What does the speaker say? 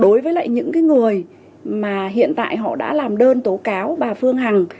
đối với lại những người mà hiện tại họ đã làm đơn tố cáo bà phương hằng